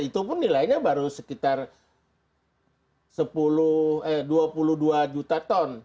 itu pun nilainya baru sekitar dua puluh dua juta ton